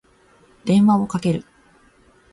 電話をかける。